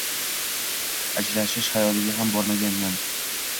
Ajrashish xayoliga ham borganman